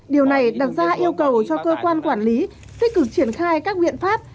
điều này đặt ra yêu cầu cho cơ quan quản lý tích cực triển khai các biện pháp